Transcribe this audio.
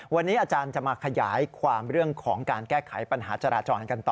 วันนี้อาจารย์จะมาขยายความเรื่องของการแก้ไขปัญหาจราจรกันต่อ